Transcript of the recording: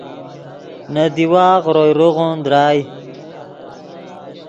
نے دیوا غروئے روغون درائے